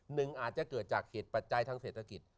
หนึ่งอาจจะเกิดจากเหตุปัจจัยทางเศรษฐกิจ